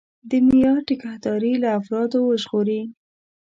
د معیار ټیکهداري له افرادو وژغوري.